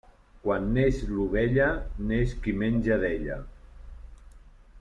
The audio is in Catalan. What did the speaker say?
Quan neix l'ovella, neix qui menja d'ella.